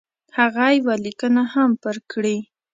هغه یوه لیکنه هم پر کړې.